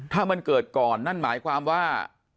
ถ้ามันเกิดก่อนนั่นหมายความว่า